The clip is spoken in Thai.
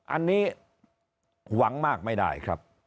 อันนี้หวังมากไม่ได้ครับ